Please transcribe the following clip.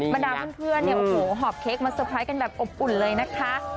บรรดาเพื่อนหอบเค้กมาสเตอร์ไพรส์กันแบบอบอุ่นเลยนะคะ